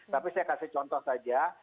tapi saya kasih contoh saja